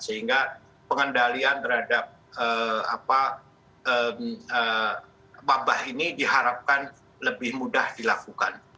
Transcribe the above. sehingga pengendalian terhadap wabah ini diharapkan lebih mudah dilakukan